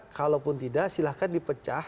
kalau pun tidak silahkan dipecah